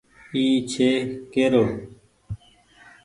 اي ڇي ڪيرو ۔